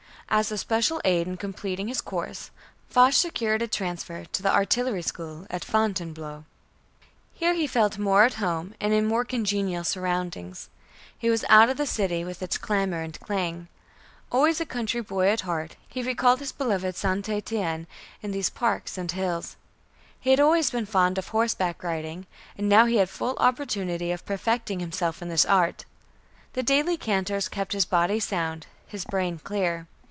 As a special aid in completing his course, Foch secured a transfer to the Artillery School at Fontainebleau. Here he felt more at home and in more congenial surroundings. He was out of the city with its clamor and clang. Always a country boy at heart, he recalled his beloved St. Étienne in these parks and hills. He had always been fond of horseback riding, and now he had full opportunity of perfecting himself in this art. The daily canters kept his body sound, his brain clear.